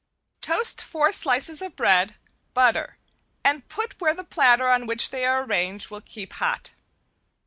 Toast four slices of bread, butter, and put where the platter on which they are arranged will keep hot.